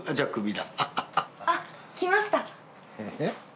あっ。